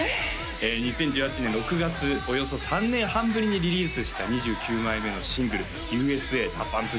２０１８年６月およそ３年半ぶりにリリースした２９枚目のシングル「Ｕ．Ｓ．Ａ．」ＤＡＰＵＭＰ